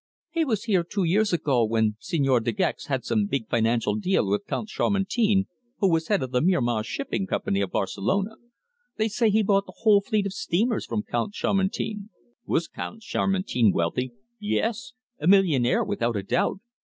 "He was here two years ago when Señor De Gex had some big financial deal with the Count Chamartin, who was head of the Miramar Shipping Company of Barcelona. They say he bought the whole fleet of steamers from Count Chamartin." "Was Count Chamartin wealthy?" "Yes. A millionaire, without a doubt.